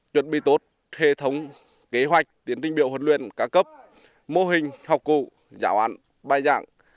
chuẩn bị tốt hệ thống kế hoạch tiến trinh biểu huấn luyện ca cấp mô hình học cụ giáo án bài giảng